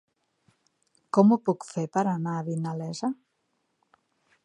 Com ho puc fer per anar a Vinalesa?